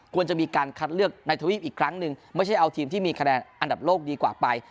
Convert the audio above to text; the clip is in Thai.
ควรจะมีการคัดเลือกในทวีปอีกครั้งหนึ่งไม่ใช่เอาทีมที่มีคะแนนอันดับโลกดีกว่าไป